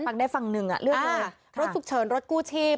มันได้ฟังหนึ่งติดตามว่าอ่าค่ะรถฉุกเฉินรถกู้ชีพ